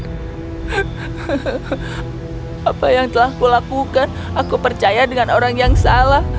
hahaha apa yang telah aku lakukan aku percaya dengan orang yang salah